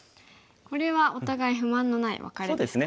これはお互い不満のないワカレですかね。